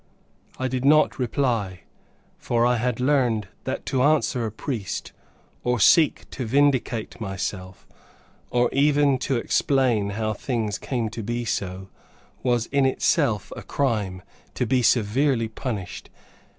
I did not reply, for I had learned that to answer a priest, or seek to vindicate myself, or even to explain how things came to be so, was in itself a crime, to be severely punished.